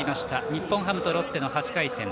日本ハムとロッテ、８回戦